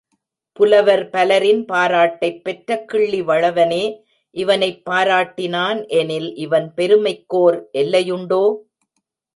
புலவர் பலரின் பாராட்டைப் பெற்ற கிள்ளி வளவனே இவனைப் பாராட்டினான் எனில் இவன் பெருமைக்கோர் எல்லையுண்டோ?